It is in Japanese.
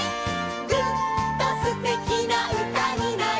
「ぐっとすてきな歌になる」